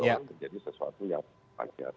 menjadi sesuatu yang panjang